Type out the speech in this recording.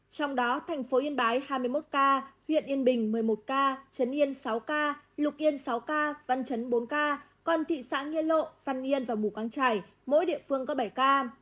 trong đó thành phố yên bái hai mươi một ca huyện yên bình một mươi một ca trấn yên sáu ca lục yên sáu ca văn chấn bốn ca còn thị xã nghĩa lộ văn yên và mù căng trải mỗi địa phương có bảy ca